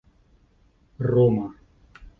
roma